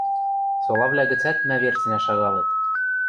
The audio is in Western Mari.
Солавлӓ гӹцӓт мӓ верцнӓ шагалыт...